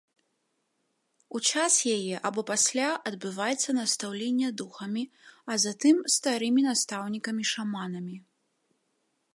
У час яе або пасля адбываецца настаўленне духамі, а затым старымі настаўнікамі-шаманамі.